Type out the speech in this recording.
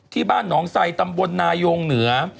ที่บ้านหนองไซตำบลนายงเหนือ